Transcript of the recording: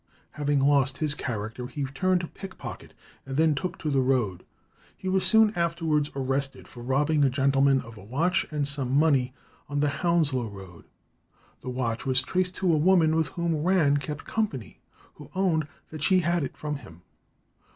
Having lost his character he turned pickpocket, and then took to the road. He was soon afterwards arrested for robbing a gentleman of a watch and some money on the Hounslow road. The watch was traced to a woman with whom Rann kept company, who owned that she had had it from him.